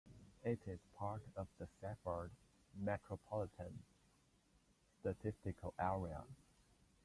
It is part of the Safford Micropolitan Statistical Area.